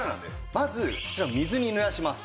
まずこちら水に濡らします。